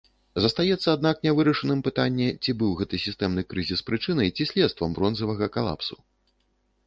Застаецца, аднак, нявырашаным пытанне, ці быў гэты сістэмны крызіс прычынай ці следствам бронзавага калапсу.